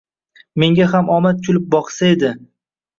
Menga ham omad kulib boqsa edi...